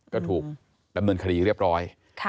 ก็ถูกดำเนินคดีเรียบร้อย